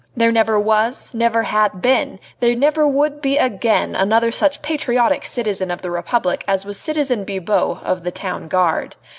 There never was, never had been, there never would be again another such patriotic citizen of the Republic as was citizen Bibot of the Town Guard.